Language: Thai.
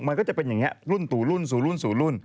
มันก็จะเป็นอย่างนี้รุ่นสู่รุ่นสู่รุ่นสู่รุ่น